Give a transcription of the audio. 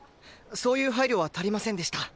そういう配慮は足りませんでした。